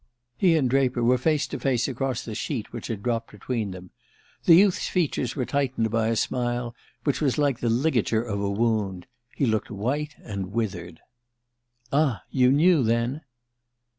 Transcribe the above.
He and Draper were face to face across the sheet which had dropped between them. The youth's features were tightened by a smile that was like the ligature of a wound. He looked white and withered. "Ah you knew, then?"